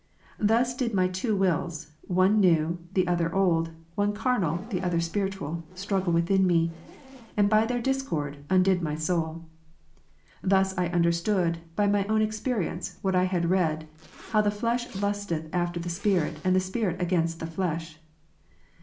Thus did my two wills, one new, and the other old, one carnal, the other spirit ual, struggle within me ; and by their discord, undid my soul. 11. Thus I understood, by my own experience, what I had read, how the flesh lusteth against the spirit and the spirit Gal. 5, against the flesh.